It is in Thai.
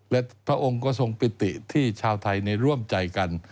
และพระองค์ก็ทรงปิติที่ชาวไทยในร่วมใจกัน